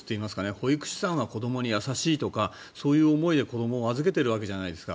保育士さんは子どもに優しいとかそういう思いで子どもを預けてるわけじゃないですか。